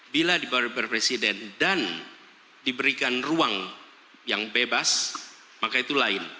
bila dibawa presiden dan diberikan ruang yang bebas maka itu lain